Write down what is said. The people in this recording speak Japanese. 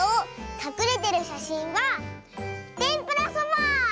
かくれてるしゃしんはてんぷらそば！